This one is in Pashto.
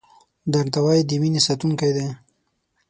درناوی د مینې ساتونکی دی.